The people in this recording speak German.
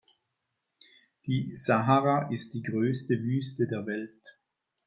Die Sahara ist die größte Wüste der Welt.